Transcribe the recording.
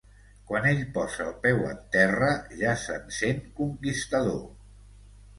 Quan ell posa el peu en terra, ja se'n sent conquistador.